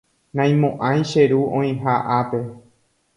naimo'ãi che ru oĩha ápe